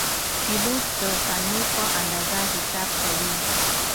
پیلوټ د ثانیو په اندازه حساب کوي.